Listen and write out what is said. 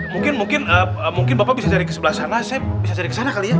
mungkin bapak bisa cari ke sebelah sana saya bisa cari ke sana kali ya